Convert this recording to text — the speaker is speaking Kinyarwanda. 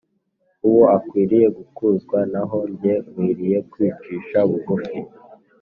. Uwo akwiriye gukuzwa; naho jye nkwiriye kwicisha bugufi.”